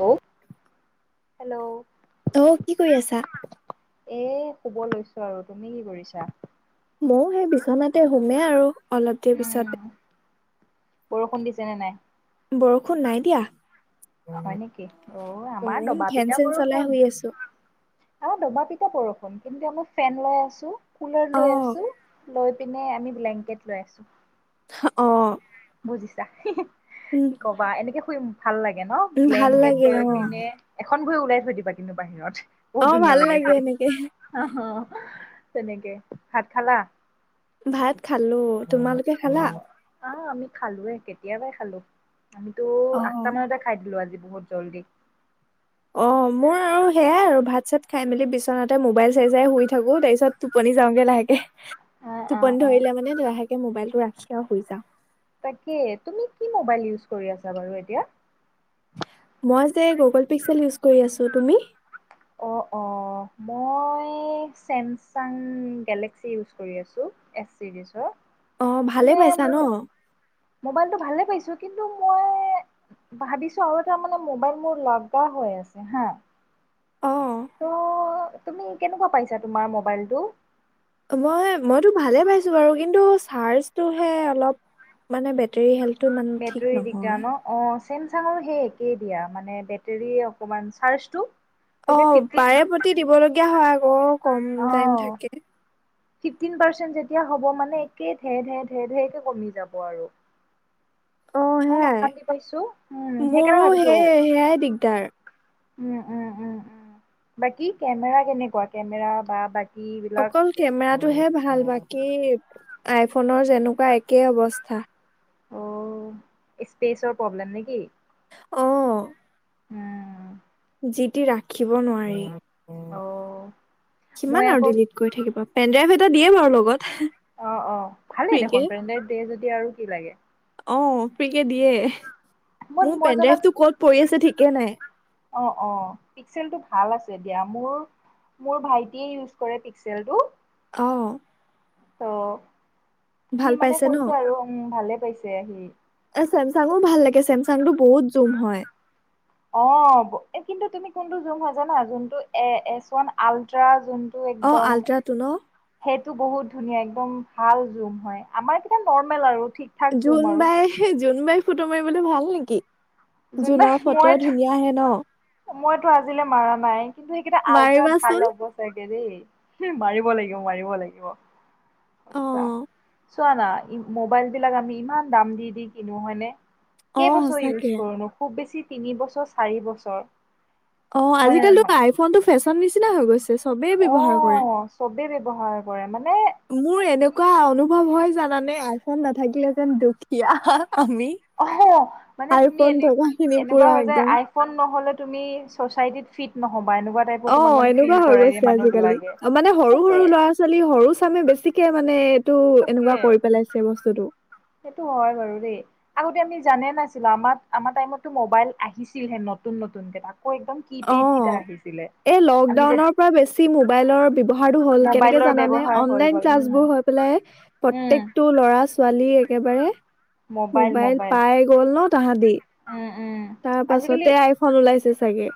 Hello hello. অ কি কৰি আছা? এ শুব লৈছো আৰু তুমি কি কৰিছা? ময়ো সেই বিচনাতে সোমে আৰু অলপ দেৰি উম পিছতে বৰষুণ দিছে নে নাই? বৰষুণ নাই দিয়া। হয় নেকি অ আমাৰ গৰম দবা ফেন পিতা চেন চলাই বৰষুণ শুই আছো । অঁ দবা পিতা বৰষুণ। কিন্তু আমি ফেন লৈ আছো কুলাৰ অ লৈ আছো লৈ পিনে। আমি ব্লেংকেট লৈ আছো। অ। বুজিছা উম কি কবা এনেকে শুইম। ভাল লাগে ন উম, ভাল ব্লেংকেট লাগে লৈ অ পিনে এখন ভৈই ওলাই থৈ দিবা কিন্তু বাহিৰত। বহুত অ ধুনীয়া ভাল লাগে হোই এনেকে অহ অ তেনেকে ভাত খালা ভাত খালো তোমালোকে খালা? অ', আহ আমি খালোৱে কেতিয়াবাই খালো আমিতো অ অ আঠটা মানতে খাই দিলো আজি। বহুত জল্দি। অ মোৰ আৰু সেয়াই আৰু ভাত চাত খাই মেলি বিচনাতে মোবাইল চাই চাই শুই থাকো। তাৰপিছত টোপনি। যাওঁগে লাহেকে অ', অ', টোপন অ'। ধৰিলে মানে লাহেকে মোবাইলটো ৰাখি আৰু শুই যাওঁ। তাকে তুমি কি মোবাইল ইউচ্ কৰি আছা বাৰু এতিয়া। মই যে গুগ'ল পিক্সেল ইউজ কৰি আছো। তুমি? অঁ অঁ মই চেমচাং গেলেক্সি ইউজ কৰি আছো, এচ ছিৰিজৰ। অ ভালে মানে পাইছা ন মোৰ মোবাইলতো ভালে পাইছো। কিন্তু মই ভাবিছো আৰু এতা মানে মোবাইল মোৰ লগা হৈ আছে হা। অ তহ তুমি কেনেকুৱা পাইছা তোমাৰ মোবাইলটো? মই মইতো ভালে পাইছো বাৰু কিন্তু চাৰ্জটোহে অলপ মানে বেটেৰী হেল্ঠ। বেটাৰী দিগদাৰ ন? অঁ। চেমচাঙৰ সেই একেই দিয়া, মানে বেটেৰী অকমান চাৰ্জটো । অ বাৰে প্ৰতি দিবলগীয়া হয় আকৌ কম অ টাইম থাকে। ফিফটিন পাৰ্চেণ্ট যেতিয়া হ'ব মানে একেই ঢেৰ ঢেৰ ঢেৰ ঢেৰ কে কমি যাব আৰু। অ ইমান সেয়াই অশান্তি পাইছো। উম সেইকাৰণে মোৰো ভাবিছো। সেই সেয়াই দিগদাৰ উম উম উম উম। বাকী কেমেৰা কেনেকুৱা কেমেৰা বা বাকী? বিলাক অকল কেমেৰাটোহে ভাল বা কি আইফোনৰ যেনেকুৱা একেই অৱস্থা। অ স্পেচৰ প্ৰব্লেম নেকি? অ উম। যি টি ৰাখিব অ নোৱাৰি। মই কিমান আৰু আকৌ ডিলিট কৰি থাকিব। পেনড্ৰাইভ এটা দিয়ে বাৰু লগত। অ অ। ভালেই ফ্ৰীকে দেখোন পেনড্ৰাইভ দিয়ে যদি আৰু কি লাগে। অ ফ্ৰী কে দিয়ে। মই মোৰ মই পেনড্ৰাইভ জনাত টো ক'ত পৰি আছে ঠিকে নাই। অ অ পিক্সেলটো ভাল আছে দিয়া, মোৰ মোৰ ভাইটিয়ে ইউজ কৰে পিক্সেলটো। অঁ। তহ সি মানে পাইছে ন কৈছে আৰু উম ভালে পাইছে সি। চেমচাঙো ভাল লাগে চেমচাং টো বহুত জুম হয়। অঁ কিন্তু তুমি কোনটো জুম হয় জানা যোনটো এ এচ ৱান আল্ট্ৰা যোন অ আল্ট্ৰাটো ন? টো বহুত ধুনীয়া একদম ভাল জুম হয় আমাৰ কেইটা নৰ্মেল আৰু। ঠিক ঠাক জুম জোন আৰু বাই জোনবাই ফটো মাৰিবলৈ ভাল নেকি? জোনৰ ফটো ধুনীয়া আহে ন? মইটো আজিলে মাৰা নাই, কিন্তু সেইকেইটা আল্টাত মাৰিবাচোন ভাল হব চাগে দেই। মাৰিব লাগিব মাৰিব লাগিব। অ আচছা। চোৱানা মোবাইল বিলাক আমি ইমান দাম দি দি কিনো হয়নে? অ কেইবছৰ ইউজ সঁচাকে কৰো নো? খুব বেছি তিনি বছৰ চাৰি বছৰ। অঁ হয় নে আজিকালিটো নহয়? আইফোন টো ফেশ্বন নিচিনা হৈ গৈছে। চবেই ব্যৱহাৰ কৰে। অ' চবেই ব্যৱহাৰ কৰে মানে মোৰ তুমি এনেকুৱা অনুভৱ হয় যানা নে আইফোন নাথাকিলে যেন দুখীয়া। আমি অঁহ' মানে তুমি আইফোন এনে থকা খিনি এনেকুৱা পুৰা হয় যে একদম আইফোন নহলে তুমি চ'চাইটিত ফিট নহব। অ এনেকুৱা হৈ গৈছে আজিকালি, বিলাকে মানে সৰু তাকে সৰু ল'ৰা ছোৱালী সৰু চামে বেছিকে মানে এইটো এনেকুৱা তাকে কৰি পেলাইছে বস্তুটো। সেইটো হয় বাৰু দেই, আগতে আমি জানাই নাছিলো আমাৰ আমাৰ টাইমতো মবাইল আহিছিল হে নতুন নতুন নতুন কে, তাকো একদমড অ। কীপেড কিতা আহিছিলে। এই আমি যে লকডাউনৰ পৰা বেছি মোবাইলৰ ব্যৱহাৰতো হ'ল, কেনেকে মোবাইলৰ জানানে? ব্যৱহাৰ হৈ অনলাইন গ'ল ক্লাছ উম। বোৰ হৈ পেলাই উম প্ৰত্যেকটো ল'ৰা ছোৱালী একেবাৰে মোবাইল পাই গ'ল ন তাহাঁতি। উম উম তাৰ আজিকালি পাছতে আইফোন ওলাইছে চাগে।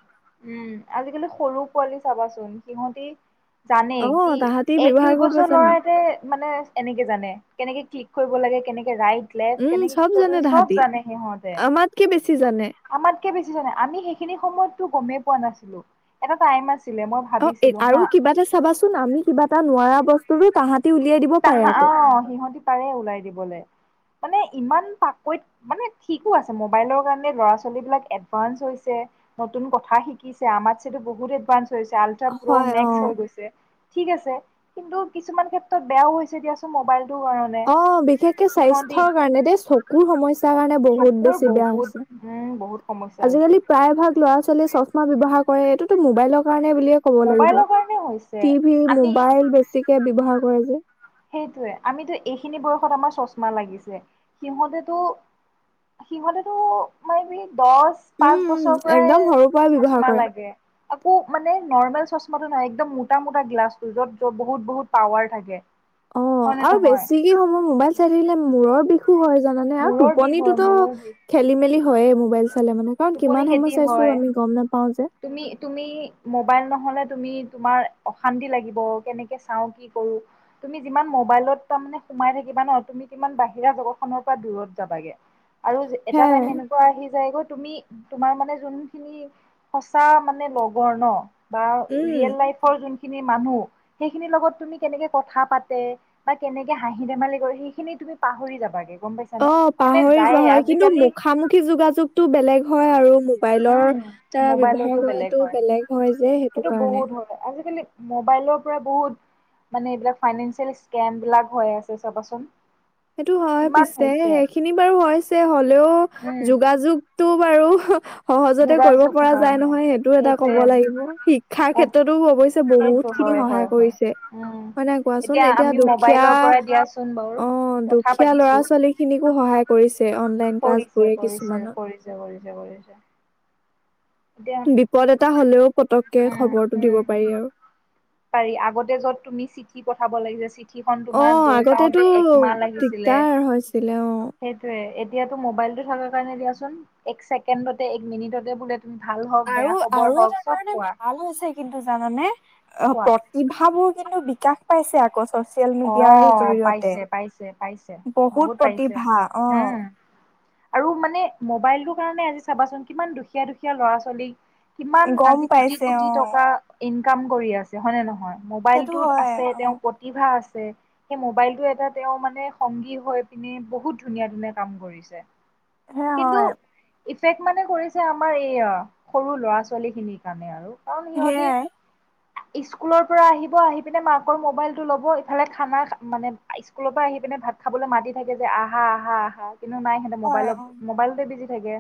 উম। আজিকালি সৰু পোৱালি চাবাচোন সিহঁতি জানে অ কি তাহাঁতি এক ব্যৱহাৰ দুই কৰিব বছৰ ল'ৰা জানে এতে মানে এনেকে জানে কেনেকে ক্লিক কৰিব লাগে কেনেকে ৰাইট লেফ্ উম কেনেকে চব কি জানে কৰিব চব তাহাঁতি জানে সিহঁতে। আমাতকে বেছি জানে আমাতকে বেছি জানে, আমি সেইখিনি সময়তো গমেই পোৱা নাছিলো, এটা টাইম আছিল অ এ আৰু কিবা এটা চাবাচোন আমি কিবা এটা নোৱাৰা বস্তু তাহাঁতি উলিয়াই দিব ত পাৰে আকৌ অ সিহঁতি পাৰে ওলাই দিবলৈ। মানে ইমান পাকৈত মানে ঠিকো আছে মোবাইলৰ কাৰণে ল'ৰা ছোৱালীবিলাক এডভান্স হৈছে। নতুন কথা শিকিছে, আমাৰছেটো বহুত এডভাঞ্চ। হৈছে, আলট্ৰা প্ৰ হয় অ মেক্স হৈ গৈছে, ঠিক আছে কিন্তু কিছুমান ক্ষেত্ৰত বেয়াও হৈছে দিয়াচোন মোবাইল অ বিশেষকে স্বাস্থ্যৰ কাৰণে দেই চকুৰ সমস্যাৰ কাৰণে। মানে বহুত চকুৰ বেছি বেয়া বহুত হৈছে। উম বহুত সমস্যা হৈছে আজিকালি প্ৰায় ভাগ ল'ৰা ছোৱালীয়ে চশমা ব্যৱহাৰ কৰে, এইটোতো মোবাইলক ৰ কাৰণে বুলিয়ে ক ব লাগিব, মোবাইলৰ কাৰণে হৈছে টি ভী, আমি মোবাইল বেছিকে ব্যৱহাৰ কৰে যে। সেইটোৱে আমিতো এইখিনি বয়সত আমাৰ চশমা লাগিছে, সিহঁতেতো সিহঁতেতো মাই বি দহ উম পাঁচ উম বছৰৰ পৰাই একদম সৰু পৰাই ব্যৱহাৰ চচমা কৰে। লাগে, তাকো মানে নৰ্মেল। চশমাটো নাই একদম মোটা মোটা গ্লাছটো যত বহুত বহুত পাৱাৰ থাকে। অ হয় নে আৰু নহয় বেছিকৈ সময় মোবাইল চাই থাকিলে মূৰৰ বিষ। হয় জানানে আৰু মূৰৰ বিষ হয় টোপনিটোতো মূৰৰ বিষ খেলি মেলি হয়ে মোবাইল। চালে মানে কাৰণ টোপনি কিমান সময় খতি চাইছো হয়, আমি গম নাপাও যে তুমি তুমি মোবাইল নহলে তুমি তোমাৰ অশান্তি লাগিব কেনেকে চাও কি কৰো, তুমি যিমান মোবাইলত তাৰমানে সোমাই থাকিব কিমানৰ তুমি কিমান বাহিৰা জগত খনৰ পৰা দূৰত যাবাগে। আৰু এটা সেয়াই টাইম এনেকুৱা আহি যায়গৈ তুমি। তোমাৰ মানে যোনখিনি সঁচা মানে লগৰ ন। বা উম ৰিয়েল লাইফৰ যোন খিনি মানুহ, সেইখিনিৰ লগত তুমি কেনেকে কথা পাতে, বা কেনেকে হাঁহি ধেমালি কৰে সেইখিনি তুমি পাহৰি যাবাগে। গম অ পাইছানে মানে পাহৰি যোৱা যায়ে হয় কিন্তু আজিকালি মুখামুখি যোগাযোগতটো বেলেগ হয় আৰু। মোবাইলৰ উম দ্বাৰা মোবাইলতো ব্যৱহাৰ কৰাটো হয় বেলেগ হয় যে সেইটো কাৰণে। বহুত হয় আজিকালি মোবাইলৰ পৰা বহুত মানে এইবিলাক ফাইনেলছিল স্কেন বিলাক হৈ আছে চাবা চোন। সেইটো হয় পিছে সেইখিনি বাৰু হৈছে হ'লেও উম যোগাযোগ তো বাৰু সহজতে কৰিব যোগাযোগ পৰা হয় যায় হয় নহয় সেইটো এটা সেইটোৱে ক'ব লাগিব শিক্ষাৰ অ ক্ষেত্ৰতো অৱশ্যে বহুত সেইটো হয় সহায় হয় হয় কৰিছে, উম হয় নাই কোৱাচোন? এতিয়া আমি দুখীয়া মোবাইলৰ পৰা দিয়াচোন বাৰু অ দু কথা দুখীয়া ল'ৰা পাতিছো ছোৱালী খিনিকো সহায় কৰিছে। অনলাইন ক্লাছ কৰিছে, বোৰে কৰিছে, কিছুমানত কৰিছে, কৰিছে, কৰিছে। এতিয়া বিপদ এটা হলেও পতককে উম খবৰটো দিব উম পাৰি আৰু। পাৰি আগতে য'ত তুমি চিঠি পঠাব লাগি যে চিঠি চিঠি খন তোমাৰ অ', গৈ আগতেতো পাওতে এক মাহ লাগিছিলে, দিগদাৰ হৈছিলে অ'। সেইটোয়ে এতিয়াটো মোবাইল টো থকা কাৰণে দিয়াচোন এক ছেকেণ্ডতে এক মিনিটতে বোলে তুমি ভাল হওক আৰু বেয়া খবৰ আৰু হওক এটা চব কাৰণে পোৱা ভাল হৈছে কিন্তু জানানে! অ কোৱা প্ৰতিভাবোৰ কিন্তু বিকাশ পাইছে আকস্ম অঁ পাইছে পাইছে পাইছে বহুত পাইছে, প্ৰতিভা অ', উম আৰু মানে মোবাইলটোৰ কাৰণে আজি চাবাচোন কিমান দুখীয়া দুখীয়া ল'ৰা ছোৱালী কিমান গম আজি কোটি পাইছে কোটি অ', টকা ইনকাম কৰি আছে হয় নে নহয়? সেইটো মোবাইলটোত হয় আছে, তেওঁৰ অ'। প্ৰতিভা আছে সেই মবাইলতটো এটা তেওঁ মানে সংগী হৈ পিনে বহুত ধুনীয়া ধুনীয়া কাম কৰিছে। সেয়া কিন্তু হয় ইফেক্ মানে কৰিছে আমাৰ এইয়া সৰু ল'ৰা ছোৱালী খিনিৰ কাৰণে আৰু। কাৰণ সিহঁতি সেয়াই স্কুলৰ পৰা আহিব আহি পিনে মাকৰ মোবাইল টো ল'ব ইফালে খানা মানে স্কুলৰ পৰা আহি পিনে ভাত খাবলৈ মাতি থাকে যে আহা আহা আহা কিন্তু নাই সিহঁতে হয় অ', মোবাইলত হ বিজি থাকে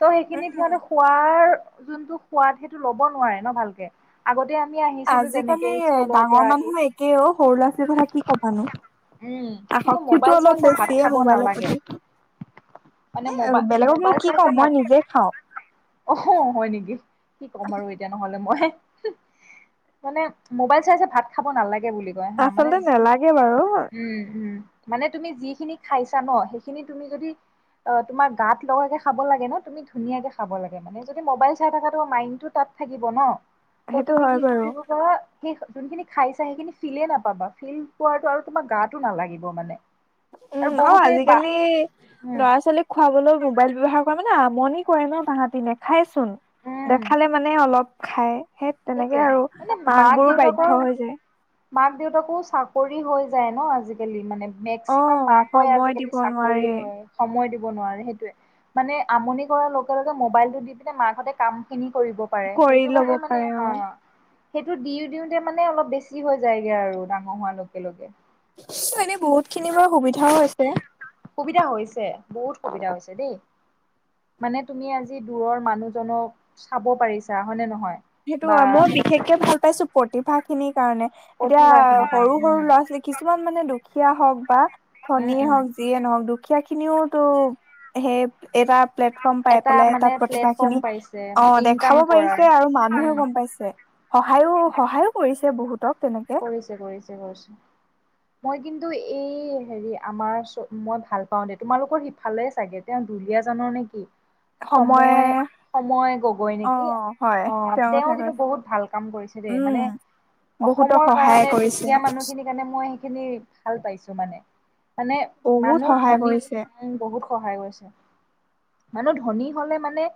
ত সেইখিনি উম। সিহঁতে খোৱাৰ যোনটো সোৱাদ সেইটো ল'ব নোৱাৰে ন ভালকে আগতে আমি আহিছিলো যেনেকে আজিকালি স্কুলৰ পৰা ডাঙৰ আহি মানুহও একেই অ সৰু ল'ৰা ছোৱালীৰ কথা কি কবানো উম কিন্তু আসক্তিটো মোবাইল চাই অলপ চাই ভাত বেছিয়ে খাব মোবাইলৰ নালাগে প্ৰতি মানে বেলেগকনো মবাইল কি চাই ক'ম চাই মই ভাত নিজে খালে খাওঁ। অ হয় নেকি কি ক'ম আৰু এতিয়া নহলে মানে মই মানে মোবাইল চাই চাই ভাত খাব নালাগে বুলি কয় হা মানে আচলতে নেলাগে বাৰু উম উম মানে তুমি যিখিনি খাইছা ন সেইখিনি তুমি যদি অ তোমাৰ গাত লগাকে খাব লাগে ন তুমি ধুনীয়াকে খাব লাগে মানে যদি মোবাইল চাই থাকা মাইণ্ডটো তাত থাকিব নহঁ ত সেইটো তুমি হয় কি বাৰু কৰিব পাৰা যোনখিনি খাইছা সেইখিনি ফিলেই নাপাবা ফিল পোৱাটো আৰু তোমাৰ গাতটো নালাগিব মানে আৰু উম অ বহুতে বা আজিকালি উম ল'ৰা ছোৱালী খুৱাবলৈ মোবাইল ব্যৱহাৰ কৰে মানে আমনি কৰে ন তাহতি নেখায় চোন উম দেখালে মানে অলপ খায় সেই তেনেকে সেইটোৱে আৰু মানে মাক বোৰো বাধ্য দেউতাকৰ হৈ যায় মাক দেউতাকো চাকৰি হৈ যায় ন আজিকালি মানে অ মেক্সিমাম মাকই সময় আজিকালি দিব চাকৰি নোৱাৰে হয় সময় দিব দিব নোৱাৰে সেইটোয়ে মানে আমনি কৰাৰ লগে লগে মবাইলটো দিপিনে মাকহতে কাম খিনি কৰিব পাৰে কৰি সেইটো ল'ব কাৰণে মানে পাৰে অ সেইটো দিও দিওঁতে মানে অলপ বেছি হৈ যায়গে আৰু ডাঙৰ হোৱাৰ লগে লগে এনেই বহুত খিনি বাৰু সুবিধাও হৈছে সুবিধা হৈছে বহুত সুবিধা হৈছে দেই মানে তুমি আজি দূৰৰ মানুহজনক চাব পাৰিছা হয় নে নহয় সেইটো বা হয় মই বিশেষকে ভাল পাইছো প্ৰতিভা খিনিক কাৰণে এতিয়া প্ৰতিভাখিনি সৰু কাৰণে সৰু উম ল'ৰা ছোৱালী কিছুমান মানে দুখীয়া হওক বা উম ধনীয়ে উম হওক যিয়ে নহওক দুখীয়া খিনিওতো সেই এটা প্লেটফৰ্ম পাই এটা পেলাই মানে তাত প্ৰতিভা প্লেটফৰ্ম খিনি পাইছে অ ইনকাম দেখাব কৰাৰ পাৰিছে আৰু ম উম মানুহে গম পাইছে সহায়ো সহায়ো কৰিছে বহুতক তেনেকে কৰিছে কৰিছে কৰিছে। মই কিন্তু এই হেৰি আমাৰ চ মই ভাল পাওঁ‌ দে তোমালোকৰ সিফালে চাগে তেওঁ দুলীয়াজানৰ নেকি? সময় সময় গগৈ অ নেকি হয় অ' তেওঁৰ তেওঁ কথা কিন্তু কৈছে বহুত ভাল কাম কৰি চে দেই উম মানে। বহুতক অসমৰ সহায় কাৰণে কৰিছে দুখীয়া মানুহখিনিৰ কাৰণে মই সেইখিনি ভাল পাইছো মানে। মানে বহুত মানুহ সহায় ধনী কৰিছে বহুত সহায় কৰিছে। মানুহ ধনী হ'লে মানে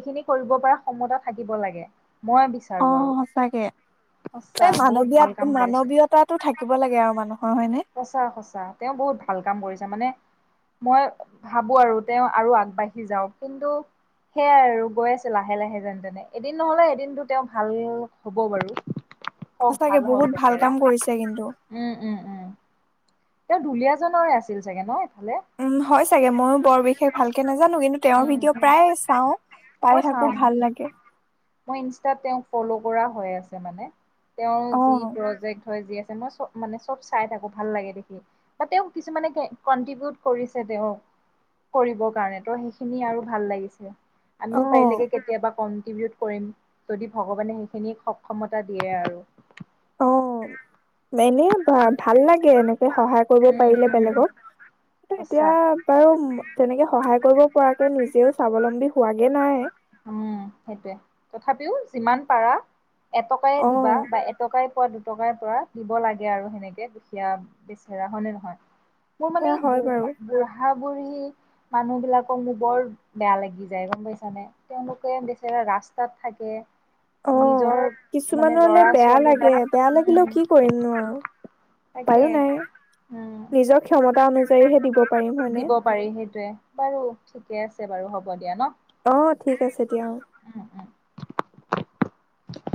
এইখিনি কৰিব পৰা ক্ষমতা থাকিব লাগে [inaudible] মই বিচাৰোঁ আৰু সঁচা বহুত মানৱীয় ভাল কাম কৰিছে মানৱীয়তাটো থাকিব লাগে আৰু মানুহৰ হয়নে সঁচা সঁচা তেওঁ বহুত ভাল কাম কৰিছে। মানে মই ভাবো আৰু তেওঁ আৰু আগবাঢ়ি যাওঁ‌ক কিন্তু সেয়াই আৰু গৈ আছে লাহে লাহে যেন তেনে এদিন নহলে এদিনটো তেওঁ ভাল হ'ব বাৰু হওক সঁচাকে ভাল হওক। বহুত ভাল বেচেৰা কাম কৰিছে কিন্তু উম উম উম তেওঁ দুলিয়াজানৰে আছিল চাগে ন ইফালে উম হয় চাগে ময়ো বৰ বিশেষ ভালকে নাজানো জানো কিন্তু তেওঁৰ উম ভিডিঅ' উম প্ৰায় চাওঁ পাই মই থাকো চাম ভাল লাগে। মই ইনষ্টাতত তেঁওক ফল্লৱ কৰা হৈ আছে। মানে তেওঁৰ অ যি প্ৰজেক্ট য আ মই চ মানে চব চাই থাকো ভাল লাগে দেখি বা তেওঁ কিছুমানে কণ্টিভিউত কৰিছে। তেওঁ কৰিব কাৰণে ত সেইখিনি আৰু ভাল লাগিছিল। অ আমিও পাৰিলেগে কেতিয়াবা কণ্টিভিও ত কৰিম যদি ভগৱানে সেইখিনিক সক্ষমতা দিয়ে আৰু অ এনেই ভা ভাল লাগে এনেই। সহায় কৰিব উম, পাৰিলে উম, বেলেগক কিন্তু এতিয়া সঁচা। বাৰু তেনেকে সহায় কৰিব পৰাকে নিজেও স্বাৱলম্বী হোৱাগে নাই। উম সেইটোয়ে তথাপিও যিমান পাৰা এটকাই অ দিবা বা এটকাই পোৱা দুটকাই পৰা দিব লাগে আৰু সেনেকে দুখীয়া বেচেৰা হয়নে নহয়? মোৰ মানে সেয়া এই হয় বাৰু বুঢ়া বুঢ়া বুঢ়ী। মানুহ বিলাকক মোক বৰ বেয়া লাগি যায় গম পাইছানে? তেওঁলোকে বেচেৰা ৰাস্তাত থাকে। অ নিজৰ মানে কিছুমানলে লৰা বেয়া ছোৱালী লাগে বা বেয়া লাগিলেও উম। কি কৰিমনো আৰু তাকে। উপায়ো নাই উম নিজৰ ক্ষমতা অনুযায়ীহে দিব পাৰিম হয়নে দিব পাৰি। সেইটোয়ে বাৰু ঠিকে আছ। ছে বাৰু হ'ব দিয়া ন। আহ ঠিক আছে দিয়া অ' উম উম